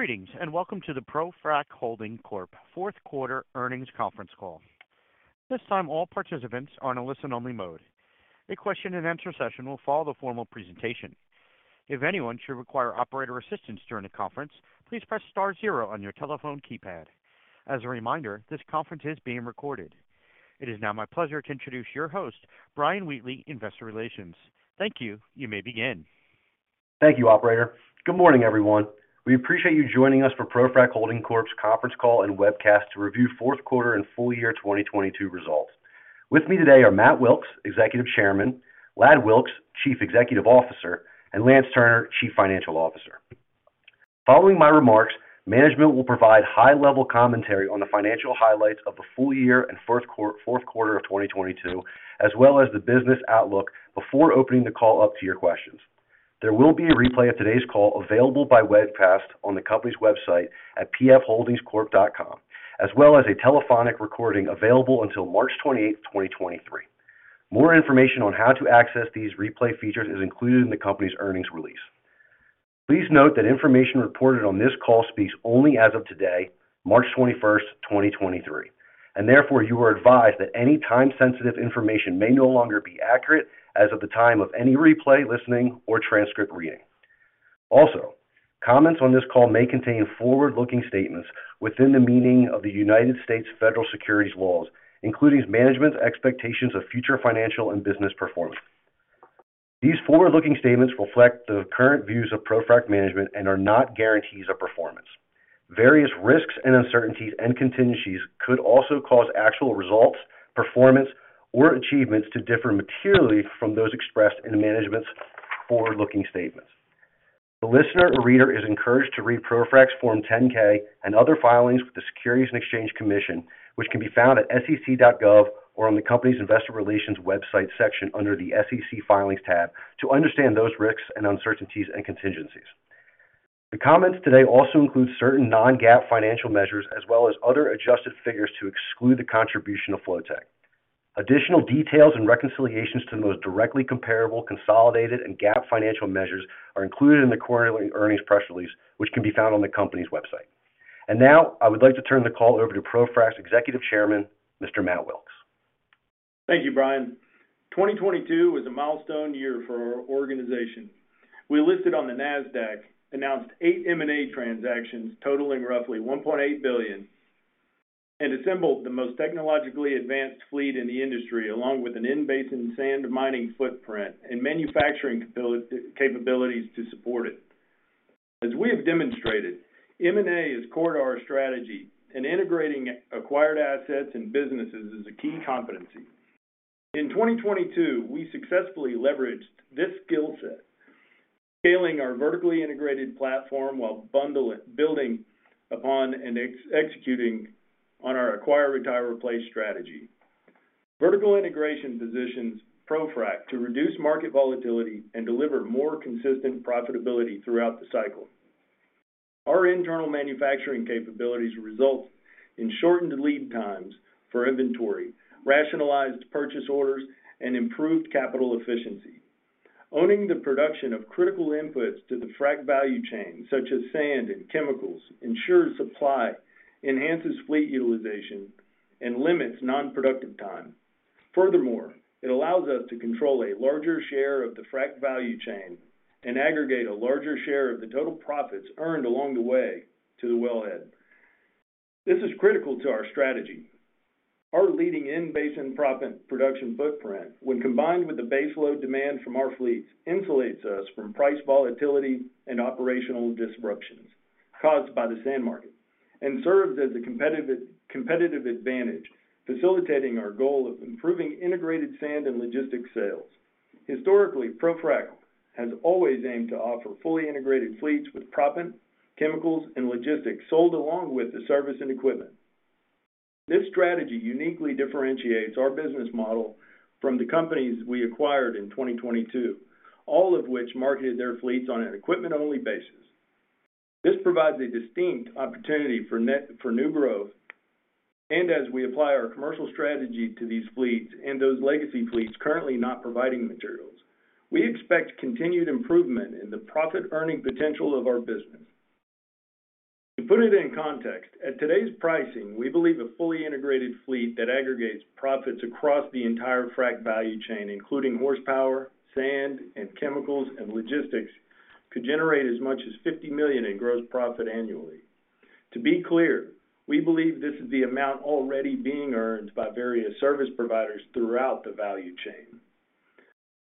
Greetings, and welcome to the ProFrac Holding Corp fourth quarter earnings conference call. At this time, all participants are in a listen-only mode. A question-and-answer session will follow the formal presentation. If anyone should require operator assistance during the conference, please press star zero on your telephone keypad. As a reminder, this conference is being recorded. It is now my pleasure to introduce your host, Brian Wheatley, Investor Relations. Thank you. You may begin. Thank you, operator. Good morning, everyone. We appreciate you joining us for ProFrac Holding Corp.'s conference call and webcast to review fourth quarter and full year 2022 results. With me today are Matt Wilks, Executive Chairman, Ladd Wilks, Chief Executive Officer, and Lance Turner, Chief Financial Officer. Following my remarks, management will provide high-level commentary on the financial highlights of the full year and fourth quarter of 2022, as well as the business outlook before opening the call up to your questions. There will be a replay of today's call available by webcast on the company's website at pfholdingscorp.com, as well as a telephonic recording available until March 28, 2023. More information on how to access these replay features is included in the company's earnings release. Please note that information reported on this call speaks only as of today, March 21, 2023. Therefore, you are advised that any time-sensitive information may no longer be accurate as of the time of any replay, listening, or transcript reading. Comments on this call may contain forward-looking statements within the meaning of the United States federal securities laws, including management's expectations of future financial and business performance. These forward-looking statements reflect the current views of ProFrac management and are not guarantees of performance. Various risks and uncertainties and contingencies could also cause actual results, performance, or achievements to differ materially from those expressed in the management's forward-looking statements. The listener or reader is encouraged to read ProFrac's Form 10-K and other filings with the Securities and Exchange Commission, which can be found at sec.gov or on the company's investor relations website section under the SEC Filings tab to understand those risks and uncertainties and contingencies. The comments today also include certain non-GAAP financial measures as well as other adjusted figures to exclude the contribution of Flotek. Additional details and reconciliations to the most directly comparable consolidated and GAAP financial measures are included in the quarterly earnings press release, which can be found on the company's website. Now, I would like to turn the call over to ProFrac's Executive Chairman, Mr. Matt Wilks. Thank you, Brian. 2022 was a milestone year for our organization. We listed on the Nasdaq, announced 8 M&A transactions totaling roughly $1.8 billion, and assembled the most technologically advanced fleet in the industry, along with an in-basin sand mining footprint and manufacturing capabilities to support it. As we have demonstrated, M&A is core to our strategy, and integrating acquired assets and businesses is a key competency. In 2022, we successfully leveraged this skill set, scaling our vertically integrated platform while building upon and executing on our acquire, retire, replace strategy. Vertical integration positions ProFrac to reduce market volatility and deliver more consistent profitability throughout the cycle. Our internal manufacturing capabilities result in shortened lead times for inventory, rationalized purchase orders, and improved capital efficiency. Owning the production of critical inputs to the frac value chain, such as sand and chemicals, ensures supply enhances fleet utilization and limits non-productive time. Furthermore, it allows us to control a larger share of the frac value chain and aggregate a larger share of the total profits earned along the way to the wellhead. This is critical to our strategy. Our leading in-basin proppant production footprint, when combined with the baseload demand from our fleets, insulates us from price volatility and operational disruptions caused by the sand market and serves as a competitive advantage, facilitating our goal of improving integrated sand and logistics sales. Historically, ProFrac has always aimed to offer fully integrated fleets with proppant, chemicals, and logistics sold along with the service and equipment. This strategy uniquely differentiates our business model from the companies we acquired in 2022, all of which marketed their fleets on an equipment-only basis. This provides a distinct opportunity for new growth. As we apply our commercial strategy to these fleets and those legacy fleets currently not providing materials, we expect continued improvement in the profit-earning potential of our business. To put it in context, at today's pricing, we believe a fully integrated fleet that aggregates profits across the entire frac value chain, including horsepower, sand, and chemicals, and logistics, could generate as much as $50 million in gross profit annually. To be clear, we believe this is the amount already being earned by various service providers throughout the value chain.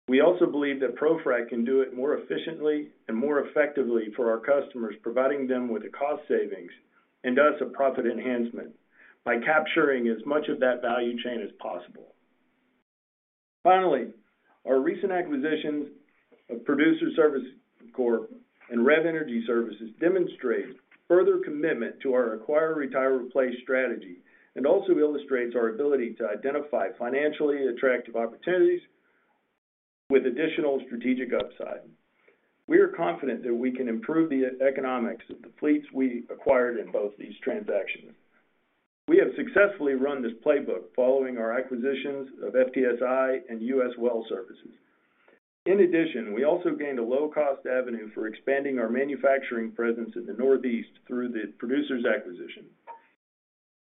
We also believe that ProFrac can do it more efficiently and more effectively for our customers, providing them with a cost savings and us a profit enhancement by capturing as much of that value chain as possible. Our recent acquisitions of Producers Service Corporation and REV Energy Holdings demonstrate further commitment to our acquire, retire, replace strategy and also illustrates our ability to identify financially attractive opportunities with additional strategic upside. We are confident that we can improve the e-economics of the fleets we acquired in both these transactions. We have successfully run this playbook following our acquisitions of FTSI and U.S. Well Services. We also gained a low cost avenue for expanding our manufacturing presence in the Northeast through the Producers acquisition.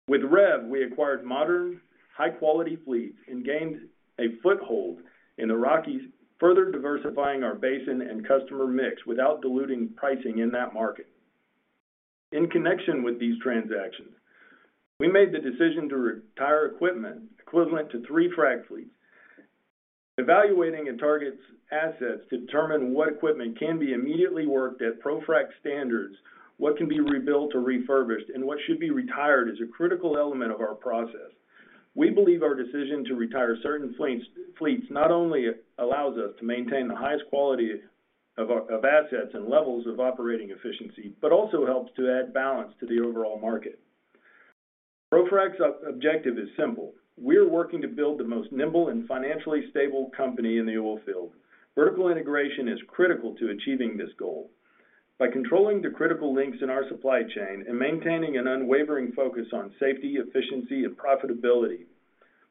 With REV, we acquired modern, high-quality fleet and gained a foothold in the Rockies, further diversifying our basin and customer mix without diluting pricing in that market. In connection with these transactions, we made the decision to retire equipment equivalent to three frac fleets. Evaluating a target's assets to determine what equipment can be immediately worked at ProFrac standards, what can be rebuilt or refurbished, and what should be retired is a critical element of our process. We believe our decision to retire certain fleets not only allows us to maintain the highest quality of assets and levels of operating efficiency, but also helps to add balance to the overall market. ProFrac's objective is simple: We're working to build the most nimble and financially stable company in the oil field. Vertical integration is critical to achieving this goal. By controlling the critical links in our supply chain and maintaining an unwavering focus on safety, efficiency, and profitability,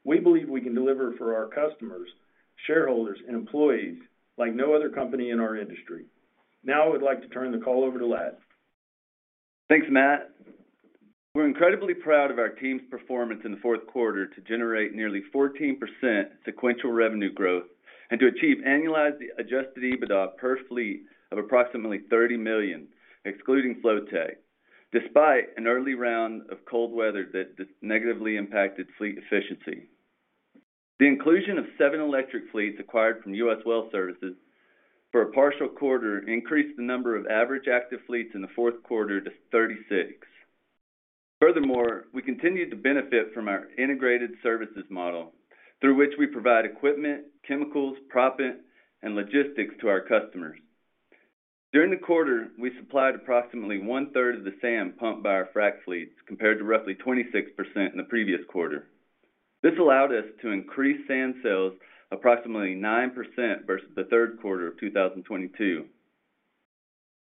we believe we can deliver for our customers, shareholders, and employees like no other company in our industry. Now I'd like to turn the call over to Ladd. Thanks, Matt. We're incredibly proud of our team's performance in the fourth quarter to generate nearly 14% sequential revenue growth and to achieve annualized Adjusted EBITDA per fleet of approximately $30 million, excluding Flotek, despite an early round of cold weather that negatively impacted fleet efficiency. The inclusion of seven electric fleets acquired from U.S. Well Services for a partial quarter increased the number of average active fleets in the fourth quarter to 36. Furthermore, we continued to benefit from our integrated services model through which we provide equipment, chemicals, proppant, and logistics to our customers. During the quarter, we supplied approximately 1/3 of the sand pumped by our frac fleets, compared to roughly 26% in the previous quarter. This allowed us to increase sand sales approximately 9% versus the third quarter of 2022.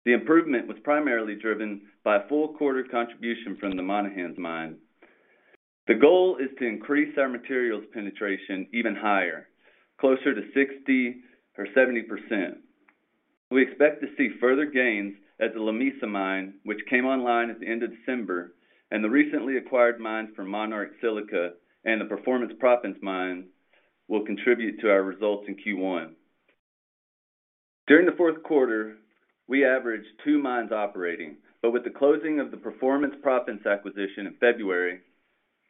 The improvement was primarily driven by a full quarter contribution from the Monahans mine. The goal is to increase our materials penetration even higher, closer to 60% or 70%. We expect to see further gains at the Lamesa mine, which came online at the end of December, and the recently acquired mines from Monarch Silica and the Performance Proppants mine will contribute to our results in Q1. During the fourth quarter, we averaged two mines operating, but with the closing of the Performance Proppants acquisition in February,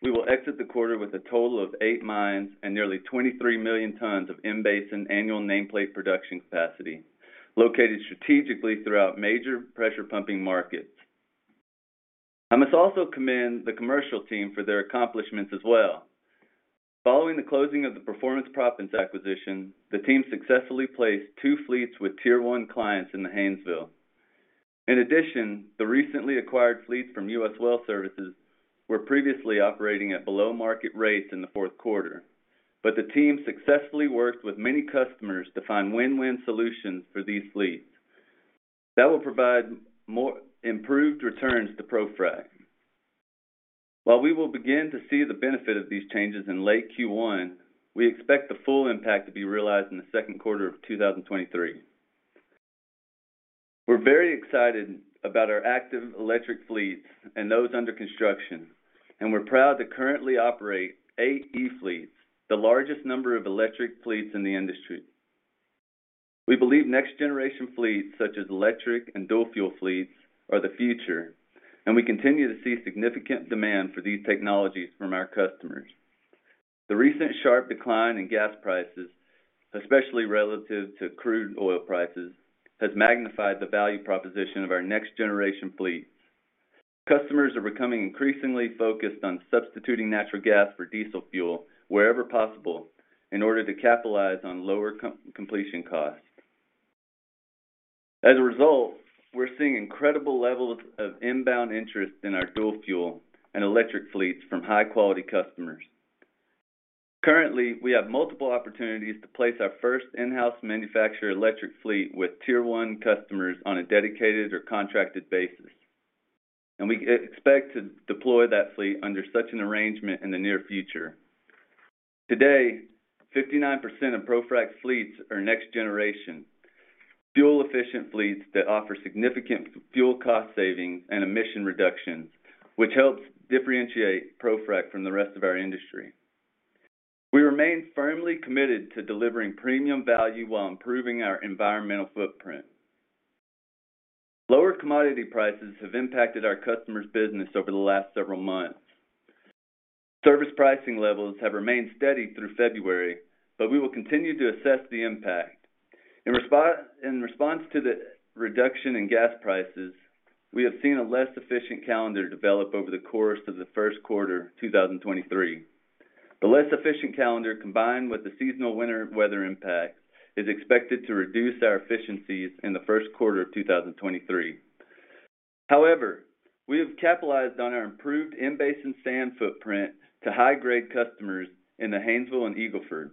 we will exit the quarter with a total of eight mines and nearly 23 million tons of in-basin annual nameplate production capacity located strategically throughout major pressure pumping markets. I must also commend the commercial team for their accomplishments as well. Following the closing of the Performance Proppants acquisition, the team successfully placed two fleets with Tier one clients in the Haynesville. In addition, the recently acquired fleets from U.S. Well Services were previously operating at below market rates in the fourth quarter. The team successfully worked with many customers to find win-win solutions for these fleets that will provide more improved returns to ProFrac. While we will begin to see the benefit of these changes in late Q1, we expect the full impact to be realized in the second quarter of 2023. We're very excited about our active electric fleets and those under construction. We're proud to currently operate eight e-fleets, the largest number of electric fleets in the industry. We believe next generation fleets such as electric and dual fuel fleets are the future, and we continue to see significant demand for these technologies from our customers. The recent sharp decline in gas prices, especially relative to crude oil prices, has magnified the value proposition of our next generation fleets. Customers are becoming increasingly focused on substituting natural gas for diesel fuel wherever possible in order to capitalize on lower completion costs. As a result, we're seeing incredible levels of inbound interest in our dual fuel and electric fleets from high quality customers. Currently, we have multiple opportunities to place our first in-house manufacturer electric fleet with Tier one customers on a dedicated or contracted basis, and we expect to deploy that fleet under such an arrangement in the near future. Today, 59% of ProFrac's fleets are next generation fuel efficient fleets that offer significant fuel cost savings and emission reductions, which helps differentiate ProFrac from the rest of our industry. We remain firmly committed to delivering premium value while improving our environmental footprint. Lower commodity prices have impacted our customers' business over the last several months. Service pricing levels have remained steady through February, but we will continue to assess the impact. In response to the reduction in gas prices, we have seen a less efficient calendar develop over the course of the first quarter 2023. The less efficient calendar, combined with the seasonal winter weather impact, is expected to reduce our efficiencies in the first quarter of 2023. However, we have capitalized on our improved in-basin sand footprint to high grade customers in the Haynesville and Eagle Ford.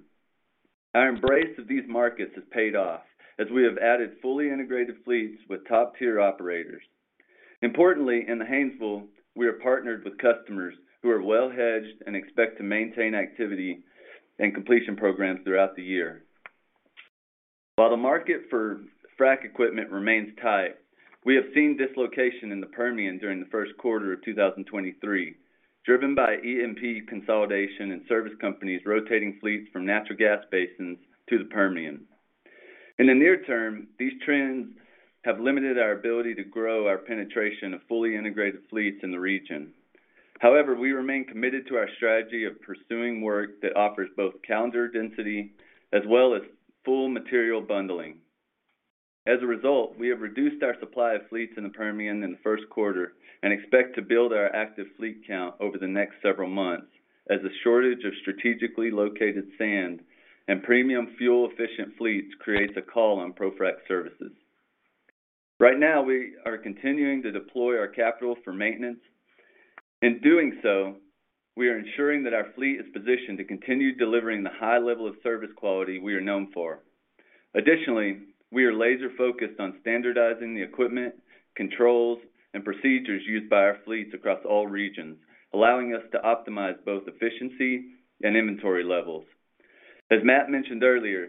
Our embrace of these markets has paid off as we have added fully integrated fleets with top tier operators. Importantly, in the Haynesville, we are partnered with customers who are well hedged and expect to maintain activity and completion programs throughout the year. While the market for frac equipment remains tight, we have seen dislocation in the Permian during the first quarter of 2023, driven by E&P consolidation and service companies rotating fleets from natural gas basins to the Permian. In the near term, these trends have limited our ability to grow our penetration of fully integrated fleets in the region. We remain committed to our strategy of pursuing work that offers both calendar density as well as full material bundling. We have reduced our supply of fleets in the Permian in the first quarter and expect to build our active fleet count over the next several months as a shortage of strategically located sand and premium fuel efficient fleets creates a call on ProFrac services. Right now, we are continuing to deploy our capital for maintenance. In doing so, we are ensuring that our fleet is positioned to continue delivering the high level of service quality we are known for. Additionally, we are laser focused on standardizing the equipment, controls, and procedures used by our fleets across all regions, allowing us to optimize both efficiency and inventory levels. As Matt mentioned earlier,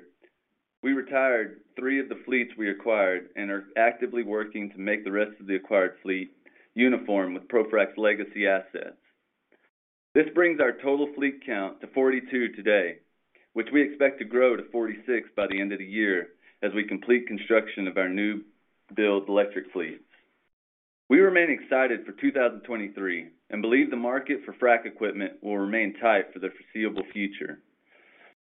we retired three of the fleets we acquired and are actively working to make the rest of the acquired fleet uniform with ProFrac's legacy assets. This brings our total fleet count to 42 today, which we expect to grow to 46 by the end of the year as we complete construction of our new build electric fleets. We remain excited for 2023 and believe the market for frac equipment will remain tight for the foreseeable future.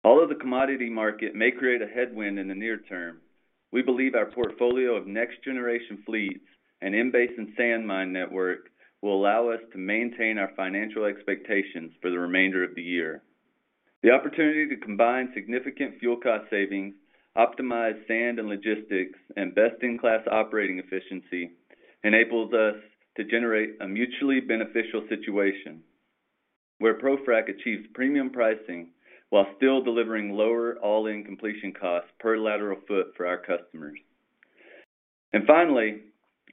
Although the commodity market may create a headwind in the near term, we believe our portfolio of next generation fleets and in-basin sand mine network will allow us to maintain our financial expectations for the remainder of the year. The opportunity to combine significant fuel cost savings, optimize sand and logistics, and best in class operating efficiency enables us to generate a mutually beneficial situation where ProFrac achieves premium pricing while still delivering lower all-in completion costs per lateral foot for our customers. Finally,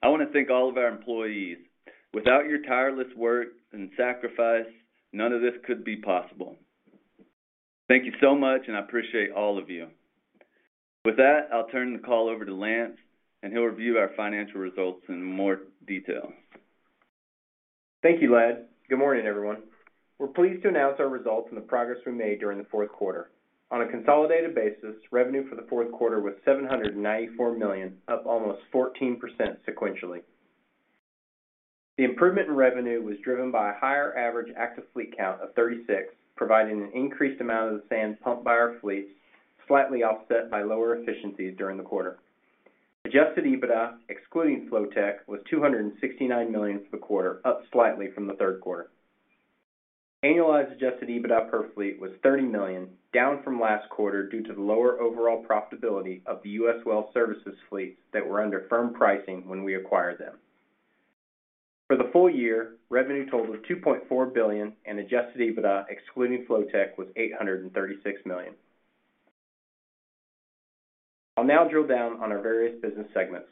I want to thank all of our employees. Without your tireless work and sacrifice, none of this could be possible. Thank you so much, and I appreciate all of you. With that, I'll turn the call over to Lance, and he'll review our financial results in more detail. Thank you, Ladd. Good morning, everyone. We're pleased to announce our results and the progress we made during the fourth quarter. On a consolidated basis, revenue for the fourth quarter was $794 million, up almost 14% sequentially. The improvement in revenue was driven by a higher average active fleet count of 36, providing an increased amount of the sand pumped by our fleets, slightly offset by lower efficiencies during the quarter. Adjusted EBITDA, excluding Flotek, was $269 million for the quarter, up slightly from the third quarter. Annualized Adjusted EBITDA per fleet was $30 million, down from last quarter due to the lower overall profitability of the U.S. Well Services fleets that were under firm pricing when we acquired them. For the full year, revenue total was $2.4 billion and Adjusted EBITDA excluding Flotek was $836 million. I'll now drill down on our various business segments.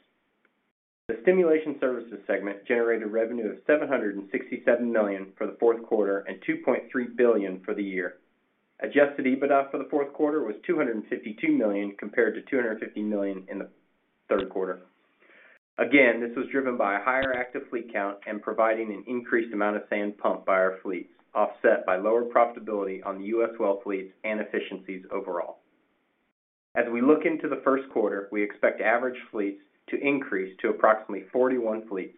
The Stimulation Services segment generated revenue of $767 million for the fourth quarter and $2.3 billion for the year. Adjusted EBITDA for the fourth quarter was $252 million compared to $250 million in the third quarter. This was driven by a higher active fleet count and providing an increased amount of sand pumped by our fleets, offset by lower profitability on U.S. well fleets and efficiencies overall. As we look into the first quarter, we expect average fleets to increase to approximately 41 fleets.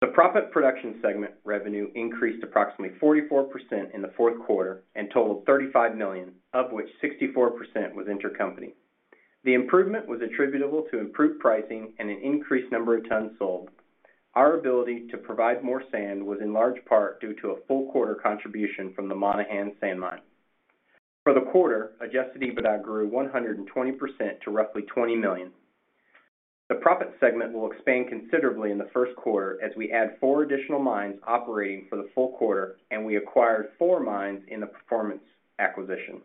The Proppant Production segment revenue increased approximately 44% in the fourth quarter and totaled $35 million, of which 64% was intercompany. The improvement was attributable to improved pricing and an increased number of tons sold. Our ability to provide more sand was in large part due to a full quarter contribution from the Monahans sand mine. For the quarter, Adjusted EBITDA grew 120% to roughly $20 million. The Proppant Production segment will expand considerably in the first quarter as we add four additional mines operating for the full quarter, and we acquired four mines in the Performance Proppants acquisition.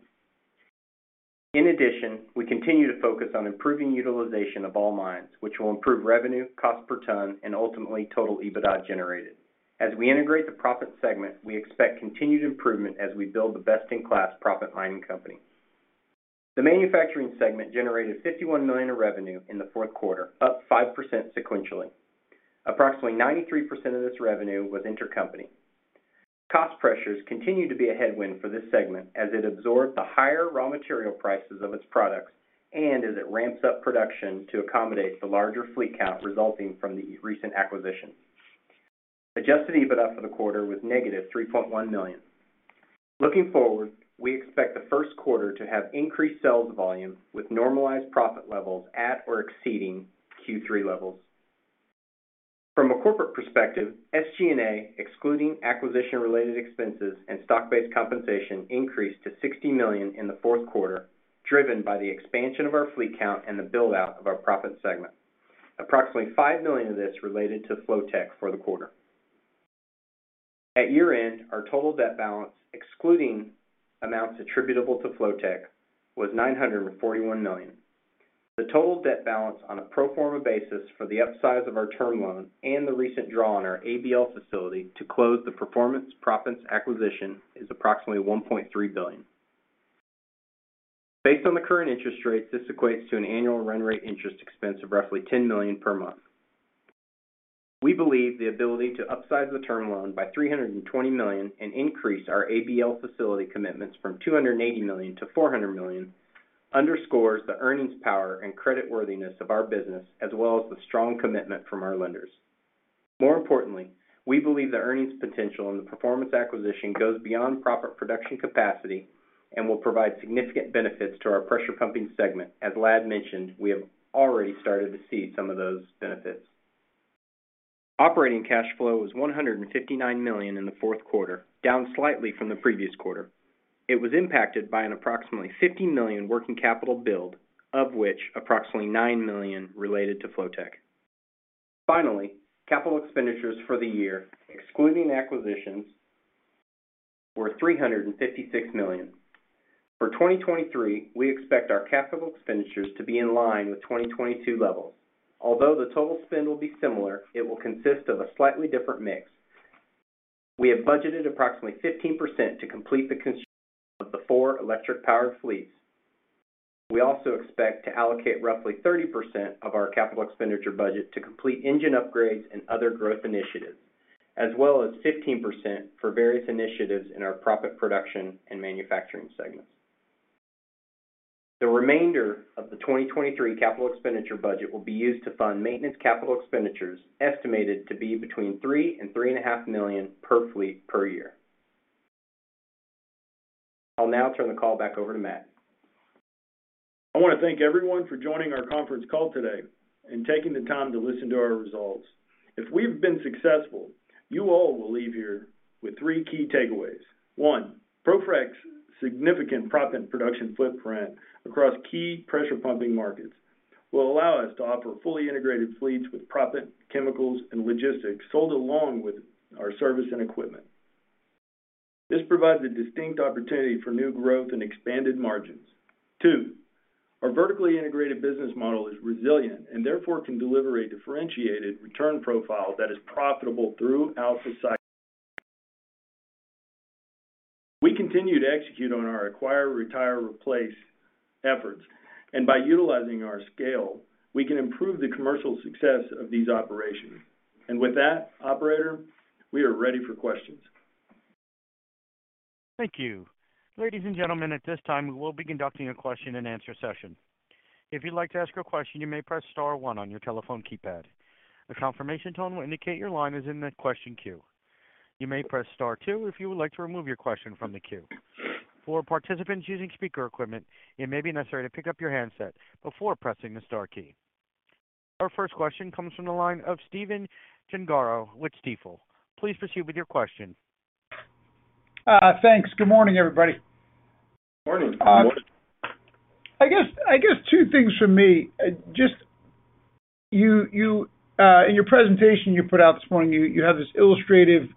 In addition, we continue to focus on improving utilization of all mines, which will improve revenue, cost per ton, and ultimately total EBITDA generated. As we integrate the Proppant Production segment, we expect continued improvement as we build the best-in-class Proppant Production mining company. The Manufacturing segment generated $51 million of revenue in the fourth quarter, up 5% sequentially. Approximately 93% of this revenue was intercompany. Cost pressures continue to be a headwind for this segment as it absorbs the higher raw material prices of its products and as it ramps up production to accommodate the larger fleet count resulting from the recent acquisition. Adjusted EBITDA for the quarter was negative $3.1 million. Looking forward, we expect the first quarter to have increased sales volume with normalized profit levels at or exceeding Q3 levels. From a corporate perspective, SG&A, excluding acquisition-related expenses and stock-based compensation, increased to $60 million in the fourth quarter, driven by the expansion of our fleet count and the build out of our profit segment. Approximately $5 million of this related to Flotek for the quarter. At year-end, our total debt balance, excluding amounts attributable to Flotek, was $941 million. The total debt balance on a pro forma basis for the upsize of our term loan and the recent draw on our ABL facility to close the Performance Proppants acquisition is approximately $1.3 billion. Based on the current interest rates, this equates to an annual run rate interest expense of roughly $10 million per month. We believe the ability to upsize the term loan by $320 million and increase our ABL facility commitments from $280 million-$400 million underscores the earnings power and creditworthiness of our business, as well as the strong commitment from our lenders. More importantly, we believe the earnings potential in the Performance acquisition goes beyond proppant production capacity and will provide significant benefits to our pressure pumping segment. As Ladd mentioned, we have already started to see some of those benefits. Operating cash flow was $159 million in the fourth quarter, down slightly from the previous quarter. It was impacted by an approximately $50 million working capital build, of which approximately $9 million related to Flotek. Finally, capital expenditures for the year, excluding acquisitions, were $356 million. For 2023, we expect our capital expenditures to be in line with 2022 levels. Although the total spend will be similar, it will consist of a slightly different mix. We have budgeted approximately 15% to complete the construction of the four electric powered fleets. We also expect to allocate roughly 30% of our capital expenditure budget to complete engine upgrades and other growth initiatives, as well as 15% for various initiatives in our Proppant Production and Manufacturing segments. The remainder of the 2023 capital expenditure budget will be used to fund maintenance capital expenditures, estimated to be between $3 million and $3.5 million per fleet per year. I'll now turn the call back over to Matt. I want to thank everyone for joining our conference call today and taking the time to listen to our results. If we've been successful, you all will leave here with three key takeaways. One, ProFrac's significant proppant production footprint across key pressure pumping markets will allow us to offer fully integrated fleets with proppant, chemicals, and logistics sold along with our service and equipment. This provides a distinct opportunity for new growth and expanded margins. Two, our vertically integrated business model is resilient and therefore can deliver a differentiated return profile that is profitable throughout the cycle. We continue to execute on our acquire, retire, replace efforts, and by utilizing our scale, we can improve the commercial success of these operations. With that, operator, we are ready for questions. Thank you. Ladies and gentlemen, at this time, we will be conducting a question and answer session. If you'd like to ask your question, you may press star one on your telephone keypad. A confirmation tone will indicate your line is in the question queue. You may press star two if you would like to remove your question from the queue. For participants using speaker equipment, it may be necessary to pick up your handset before pressing the star key. Our first question comes from the line of Stephen Gengaro with Stifel. Please proceed with your question. Thanks. Good morning, everybody. Good morning. Good morning. I guess two things from me. Just you in your presentation you put out this morning, you have this illustrative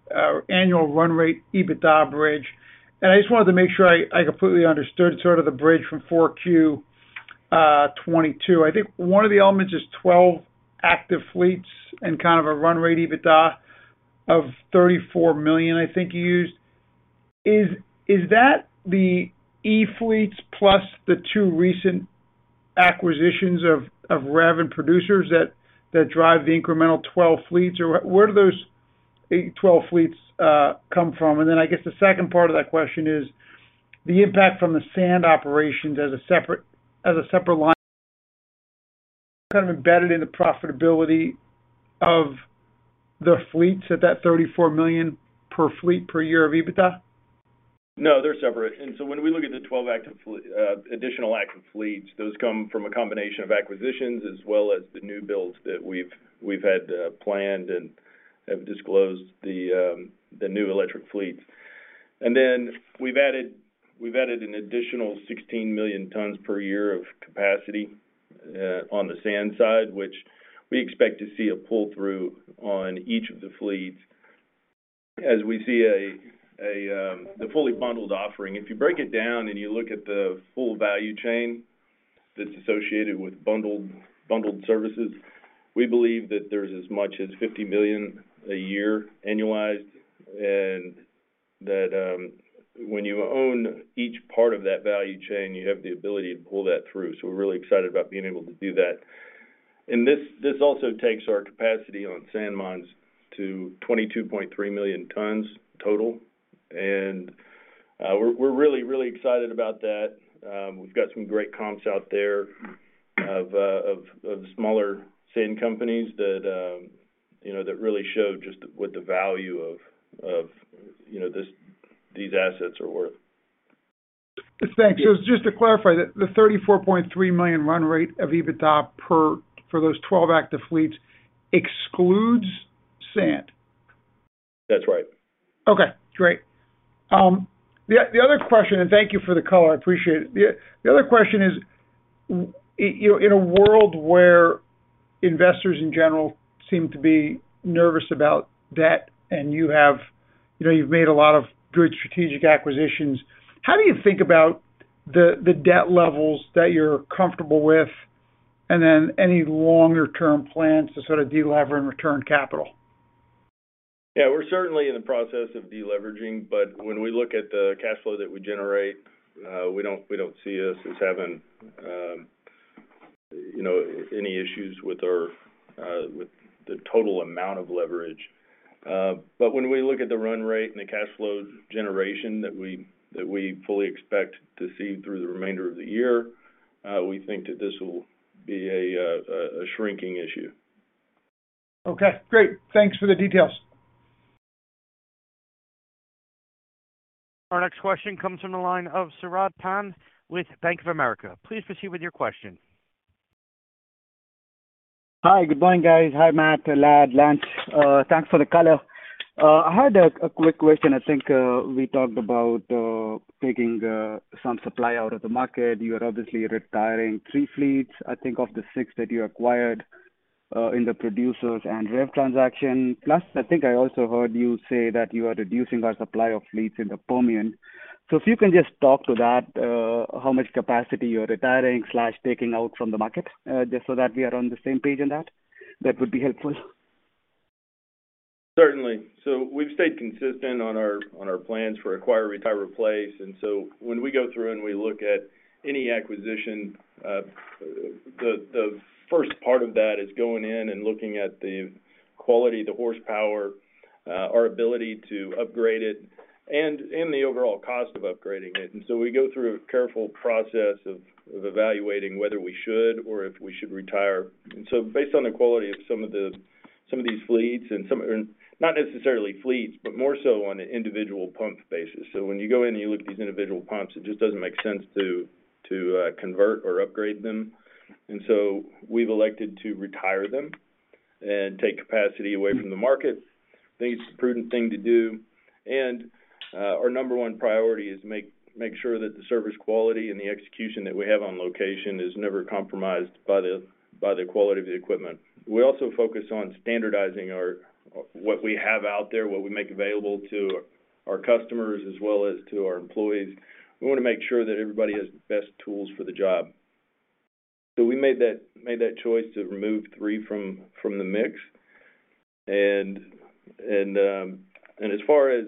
annual run rate EBITDA bridge. I just wanted to make sure I completely understood sort of the bridge from 4Q 22. I think one of the elements is 12 active fleets and kind of a run rate EBITDA of $34 million, I think you used. Is that the e-fleets plus the two recent acquisitions of REV and Producers that drive the incremental 12 fleets? Where do those 8, 12 fleets come from? I guess the second part of that question is the impact from the sand operations as a separate line, kind of embedded in the profitability of the fleets at that $34 million per fleet per year of EBITDA. No, they're separate. When we look at the 12 active additional active fleets, those come from a combination of acquisitions as well as the new builds that we've had planned and have disclosed the new electric fleets. Then we've added an additional 16 million tons per year of capacity on the sand side, which we expect to see a pull-through on each of the fleets as we see the fully bundled offering. If you break it down and you look at the full value chain that's associated with bundled services, we believe that there's as much as $50 million a year annualized, and that when you own each part of that value chain, you have the ability to pull that through. We're really excited about being able to do that. This also takes our capacity on sand mines to 22.3 million tons total. We're really, really excited about that. We've got some great comps out there of smaller sand companies that, you know, that really show just what the value of, you know, this, these assets are worth. Thanks. Just to clarify, the $34.3 million run rate of EBITDA per, for those 12 active fleets excludes sand? That's right. Okay, great. The other question. Thank you for the color. I appreciate it. The other question is, you know, in a world where investors in general seem to be nervous about debt, and you have. You know, you've made a lot of good strategic acquisitions. How do you think about the debt levels that you're comfortable with, and then any longer-term plans to sort of delever and return capital? We're certainly in the process of deleveraging, but when we look at the cash flow that we generate, we don't see us as having, you know, any issues with our with the total amount of leverage. When we look at the run rate and the cash flow generation that we fully expect to see through the remainder of the year, we think that this will be a shrinking issue. Okay, great. Thanks for the details. Our next question comes from the line of Saurabh Pant with Bank of America. Please proceed with your question. Hi, good morning, guys. Hi, Matt, Ladd, Lance. Thanks for the color. I had a quick question. I think we talked about taking some supply out of the market. You are obviously retiring three fleets, I think, of the six that you acquired in the Producers and REV transaction. Plus, I think I also heard you say that you are reducing our supply of fleets in the Permian. If you can just talk to that, how much capacity you're retiring/taking out from the market, just so that we are on the same page in that would be helpful. We've stayed consistent on our plans for acquire, retire, replace. When we go through and we look at any acquisition, the first part of that is going in and looking at the quality, the horsepower, our ability to upgrade it and the overall cost of upgrading it. We go through a careful process of evaluating whether we should or if we should retire. Based on the quality of some of these fleets. Not necessarily fleets, but more so on an individual pump basis. When you go in and you look at these individual pumps, it just doesn't make sense to convert or upgrade them. We've elected to retire them and take capacity away from the market. I think it's the prudent thing to do. Our number one priority is make sure that the service quality and the execution that we have on location is never compromised by the quality of the equipment. We also focus on standardizing what we have out there, what we make available to our customers as well as to our employees. We wanna make sure that everybody has the best tools for the job. We made that choice to remove three from the mix. As far as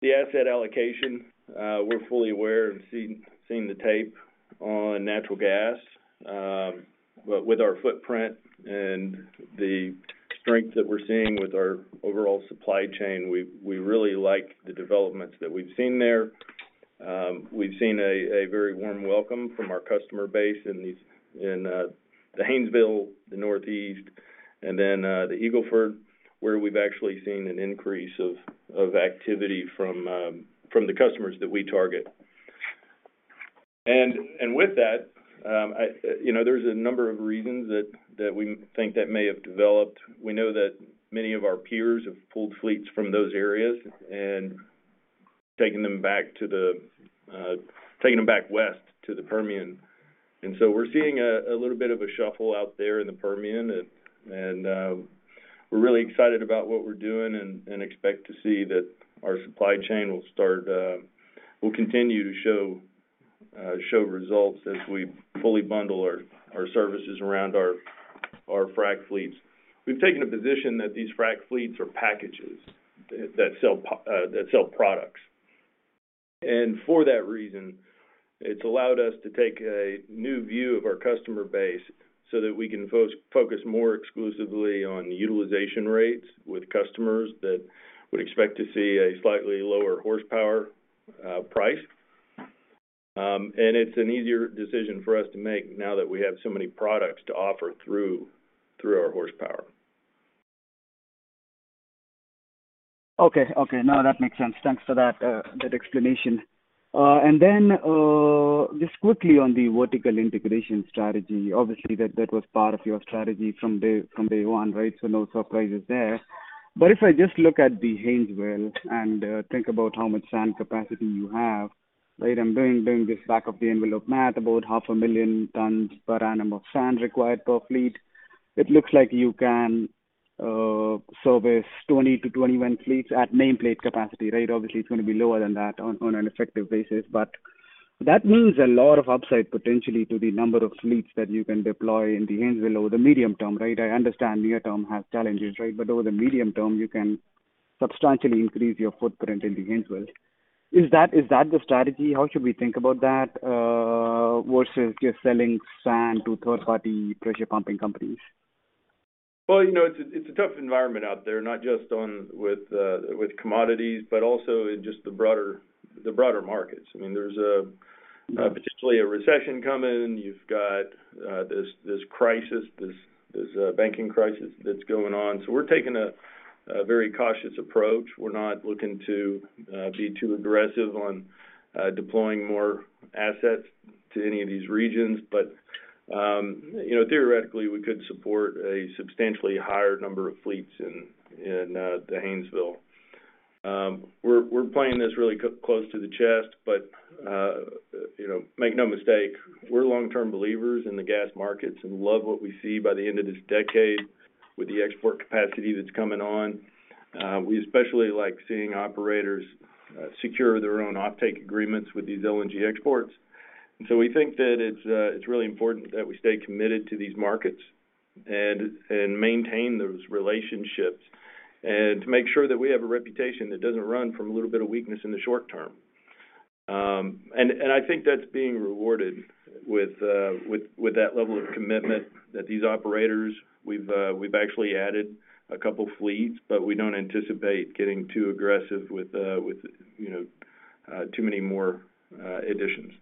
the asset allocation, we're fully aware and seeing the tape on natural gas. With our footprint and the strength that we're seeing with our overall supply chain, we really like the developments that we've seen there. We've seen a very warm welcome from our customer base in the Haynesville, the Northeast, the Eagle Ford, where we've actually seen an increase of activity from the customers that we target. You know, there's a number of reasons that we think that may have developed. We know that many of our peers have pulled fleets from those areas and taken them back west to the Permian. We're seeing a little bit of a shuffle out there in the Permian. We're really excited about what we're doing and expect to see that our supply chain will continue to show results as we fully bundle our services around our frac fleets. We've taken a position that these frac fleets are packages that sell products. For that reason, it's allowed us to take a new view of our customer base so that we can focus more exclusively on utilization rates with customers that would expect to see a slightly lower horsepower price. It's an easier decision for us to make now that we have so many products to offer through our horsepower. Okay. Okay. No, that makes sense. Thanks for that explanation. Just quickly on the vertical integration strategy. Obviously, that was part of your strategy from day one, right? No surprises there. If I just look at the Haynesville and think about how much sand capacity you have, right? I'm doing this back of the envelope math, about half a million tons per annum of sand required per fleet. It looks like you can service 20-21 fleets at nameplate capacity, right? Obviously, it's gonna be lower than that on an effective basis. That means a lot of upside potentially to the number of fleets that you can deploy in the Haynesville over the medium term, right? I understand near term has challenges, right? Over the medium term, you can substantially increase your footprint in the Haynesville. Is that the strategy? How should we think about that versus just selling sand to third-party pressure pumping companies? Well, you know, it's a, it's a tough environment out there, not just on with commodities, but also in just the broader markets. I mean, there's potentially a recession coming. You've got this banking crisis that's going on. We're taking a very cautious approach. We're not looking to be too aggressive on deploying more assets to any of these regions. You know, theoretically, we could support a substantially higher number of fleets in the Haynesville. We're playing this really close to the chest, but, you know, make no mistake, we're long-term believers in the gas markets and love what we see by the end of this decade with the export capacity that's coming on. We especially like seeing operators secure their own off-take agreements with these LNG exports. We think that it's really important that we stay committed to these markets and maintain those relationships, and to make sure that we have a reputation that doesn't run from a little bit of weakness in the short term. I think that's being rewarded with that level of commitment that these operators, we've actually added a couple fleets, but we don't anticipate getting too aggressive with, you know, too many more additions.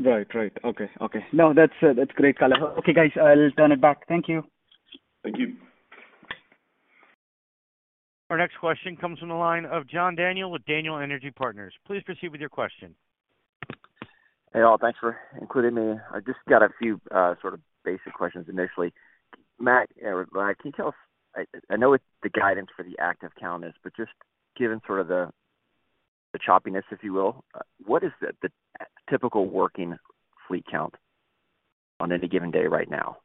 Right. Right. Okay. Okay. No, that's great, color. Okay, guys, I'll turn it back. Thank you. Thank you. Our next question comes from the line of John Daniel with Daniel Energy Partners. Please proceed with your question. Hey, all. Thanks for including me. I just got a few sort of basic questions initially. Matt, can you tell us, I know what the guidance for the active count is, but just given sort of the choppiness, if you will, what is the typical working fleet count on any given day right now?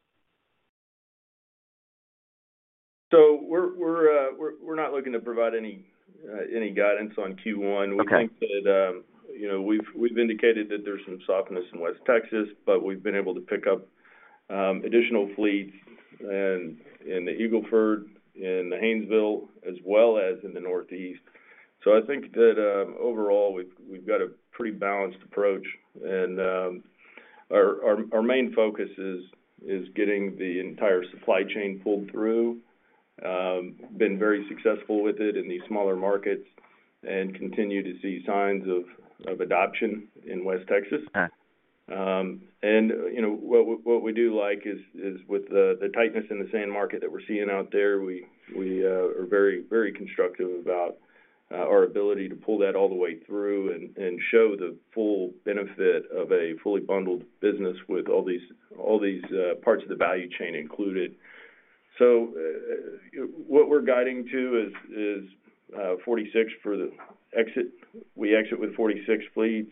We're not looking to provide any guidance on Q1. Okay. We think that, you know, we've indicated that there's some softness in West Texas, but we've been able to pick up additional fleets in the Eagle Ford, in the Haynesville, as well as in the Northeast. I think that, overall, we've got a pretty balanced approach and, our main focus is getting the entire supply chain pulled through. Been very successful with it in these smaller markets and continue to see signs of adoption in West Texas. Okay. You know, what we do like is with the tightness in the sand market that we're seeing out there, we are very constructive about our ability to pull that all the way through and show the full benefit of a fully bundled business with all these parts of the value chain included. What we're guiding to is 46 for the exit. We exit with 46 fleets,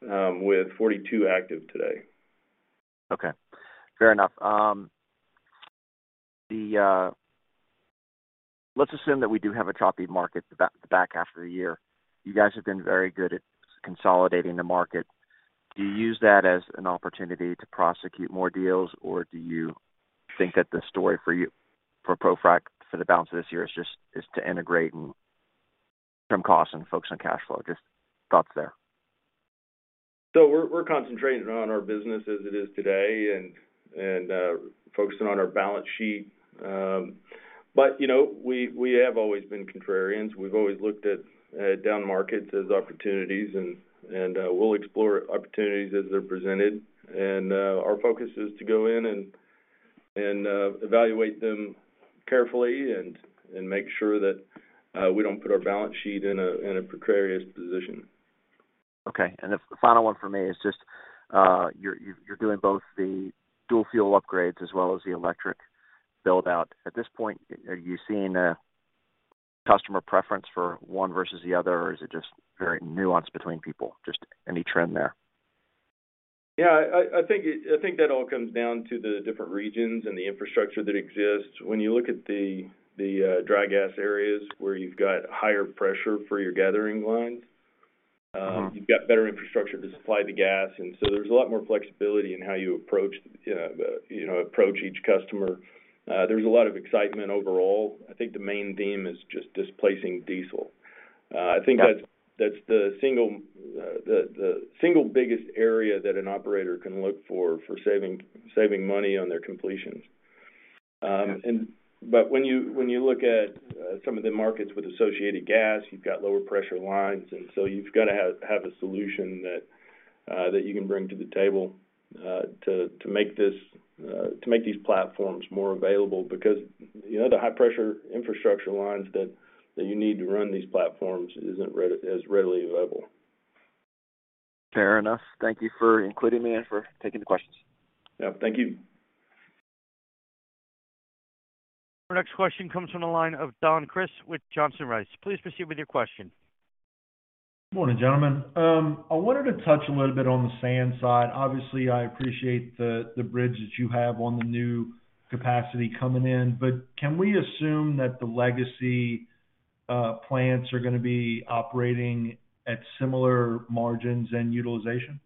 with 42 active today. Okay. Fair enough. Let's assume that we do have a choppy market back after a year. You guys have been very good at consolidating the market. Do you use that as an opportunity to prosecute more deals, or do you think that the story for ProFrac for the balance of this year is to integrate and trim costs and focus on cash flow? Just thoughts there. We're concentrating on our business as it is today and focusing on our balance sheet. You know, we have always been contrarians. We've always looked at down markets as opportunities and we'll explore opportunities as they're presented. Our focus is to go in and evaluate them carefully and make sure that we don't put our balance sheet in a precarious position. Okay. The final one from me is just, you're doing both the dual fuel upgrades as well as the electric build out. At this point, are you seeing a customer preference for one versus the other, or is it just very nuanced between people? Just any trend there? Yeah, I think that all comes down to the different regions and the infrastructure that exists. When you look at the dry gas areas where you've got higher pressure for your gathering lines. Mm-hmm... you've got better infrastructure to supply the gas, and so there's a lot more flexibility in how you approach, you know, approach each customer. There's a lot of excitement overall. I think the main theme is just displacing diesel. I think Yeah... that's the single biggest area that an operator can look for saving money on their completions. When you look at some of the markets with associated gas, you've got lower pressure lines, and so you've got to have a solution that you can bring to the table to make this to make these platforms more available because, you know, the high pressure infrastructure lines that you need to run these platforms isn't as readily available. Fair enough. Thank you for including me and for taking the questions. Yeah, thank you. Our next question comes from the line of Don Crist with Johnson Rice. Please proceed with your question. Good morning, gentlemen. I wanted to touch a little bit on the sand side. Obviously, I appreciate the bridge that you have on the new capacity coming in. Can we assume that the legacy plants are gonna be operating at similar margins and utilization?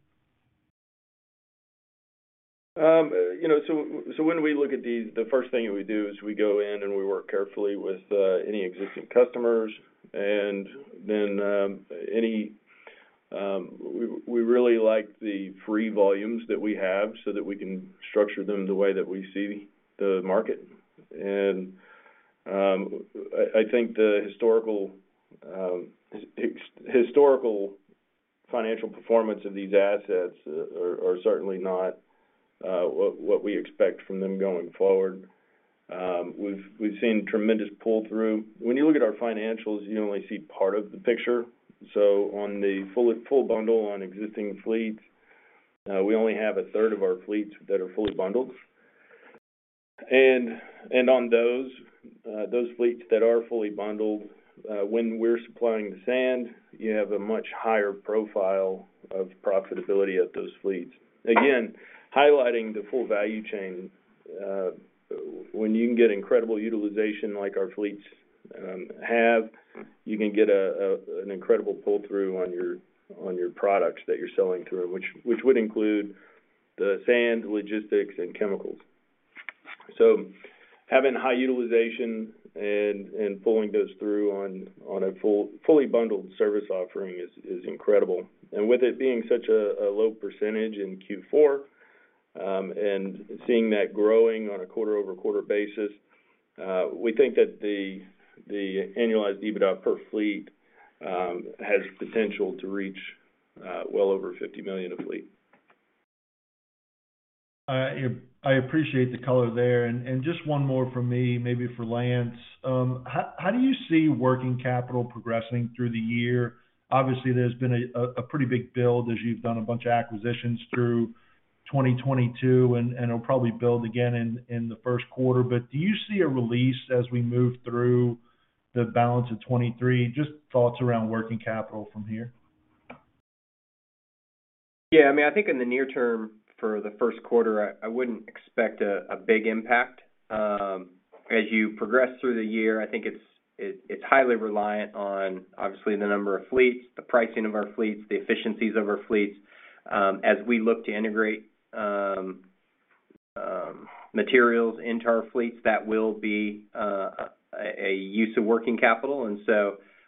You know, when we look at these, the first thing that we do is we go in and we work carefully with any existing customers and then any. We really like the free volumes that we have so that we can structure them the way that we see the market. I think the historical financial performance of these assets are certainly not what we expect from them going forward. We've seen tremendous pull-through. When you look at our financials, you only see part of the picture. On the full bundle on existing fleets, we only have a third of our fleets that are fully bundled. On those fleets that are fully bundled, when we're supplying the sand, you have a much higher profile of profitability at those fleets. Again, highlighting the full value chain, when you can get incredible utilization like our fleets have, you can get an incredible pull-through on your products that you're selling through, which would include the sand, logistics, and chemicals. Having high utilization and pulling those through on a full, fully bundled service offering is incredible. With it being such a low percentage in Q4, and seeing that growing on a quarter-over-quarter basis, we think that the annualized EBITDA per fleet has potential to reach well over $50 million a fleet. Yeah. I appreciate the color there. Just one more from me, maybe for Lance. How do you see working capital progressing through the year? Obviously, there's been a pretty big build as you've done a bunch of acquisitions through 2022, and it'll probably build again in the first quarter. Do you see a release as we move through the balance of 2023? Just thoughts around working capital from here. Yeah. I mean, I think in the near term for the first quarter, I wouldn't expect a big impact. As you progress through the year, I think it's highly reliant on, obviously, the number of fleets, the pricing of our fleets, the efficiencies of our fleets. As we look to integrate materials into our fleets, that will be a use of working capital.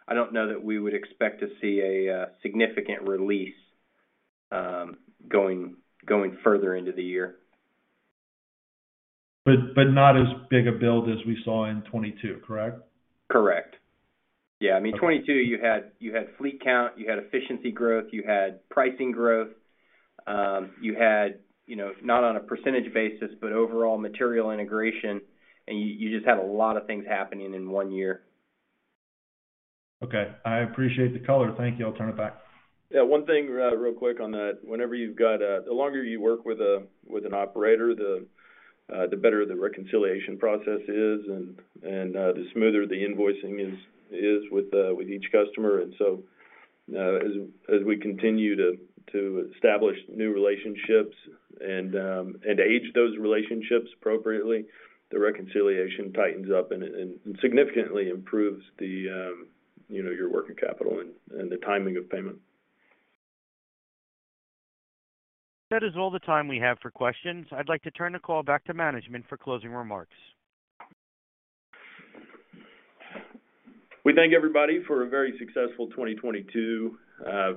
I don't know that we would expect to see a significant release going further into the year. But not as big a build as we saw in 22, correct? Correct. Yeah. I mean, 2022, you had fleet count, you had efficiency growth, you had pricing growth. You had, you know, not on a % basis, but overall material integration. You just had a lot of things happening in one year. Okay. I appreciate the color. Thank you. I'll turn it back. Yeah. One thing real quick on that. Whenever you've got a. The longer you work with a, with an operator, the better the reconciliation process is and the smoother the invoicing is with each customer. As we continue to establish new relationships and age those relationships appropriately, the reconciliation tightens up and significantly improves the, you know, your working capital and the timing of payment. That is all the time we have for questions. I'd like to turn the call back to management for closing remarks. We thank everybody for a very successful 2022.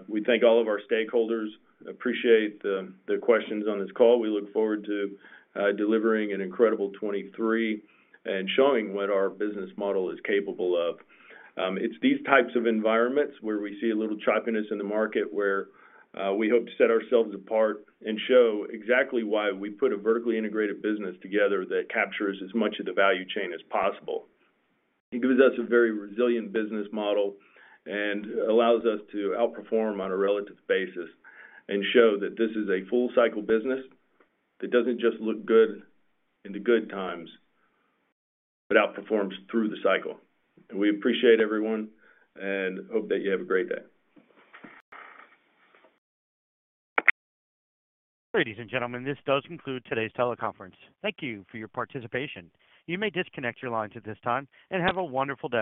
We thank all of our stakeholders. Appreciate the questions on this call. We look forward to delivering an incredible 2023 and showing what our business model is capable of. It's these types of environments where we see a little choppiness in the market where we hope to set ourselves apart and show exactly why we put a vertically integrated business together that captures as much of the value chain as possible. It gives us a very resilient business model and allows us to outperform on a relative basis and show that this is a full cycle business that doesn't just look good in the good times, but outperforms through the cycle. We appreciate everyone and hope that you have a great day. Ladies and gentlemen, this does conclude today's teleconference. Thank you for your participation. You may disconnect your lines at this time, and have a wonderful day.